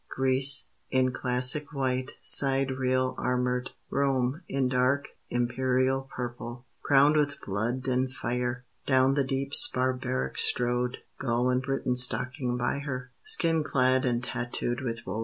Greece, in classic white, sidereal Armored; Rome, in dark, imperial Purple, crowned with blood and fire, Down the deeps barbaric strode; Gaul and Britain stalking by her, Skin clad and tattooed with woad.